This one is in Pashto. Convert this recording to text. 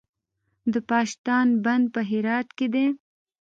د پاشدان بند په هرات کې دی